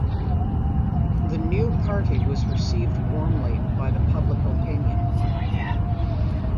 The new party was received warmly by the public opinion.